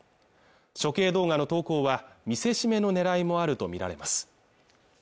処刑動画の投稿は見せしめの狙いもあると見られます